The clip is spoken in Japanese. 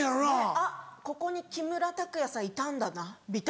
「あっここに木村拓哉さんいたんだな」みたいな。